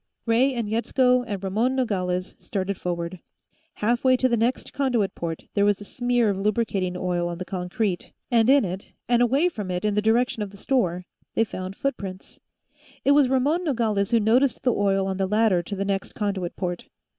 Ray and Yetsko and Ramon Nogales started forward. Halfway to the next conduit port, there was a smear of lubricating oil on the concrete, and in it, and away from it in the direction of the store, they found footprints. It was Ramon Nogales who noticed the oil on the ladder to the next conduit port.